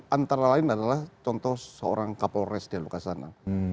antara lain adalah contoh seorang kapolres dea lukasana